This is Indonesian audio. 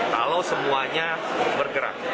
kalau semuanya bergerak